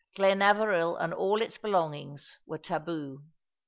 Glenaveril and all its belongings were taboo.